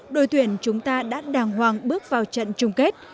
đội tuyển chúng ta đã đàng hoàng bước vào trận chung kết